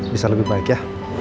bisa lebih baik ya